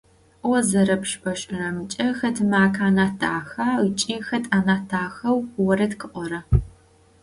О зэрэпшӏошӏырэмкӏэ, хэт ымакъэ анахь даха ыкӏи хэт анахь дахэу орэд къыӏора?